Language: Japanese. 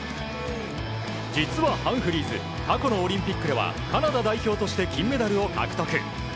実はハンフリーズ過去のオリンピックではカナダ代表として金メダルを獲得。